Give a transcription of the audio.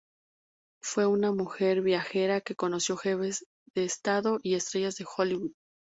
Fue una mujer viajera que conoció jefes de estado y estrellas de Hollywood.